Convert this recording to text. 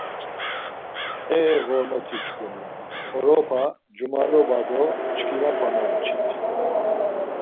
E ğormoti-çkuni! Oropa, cumaloba do çkinapa momçit.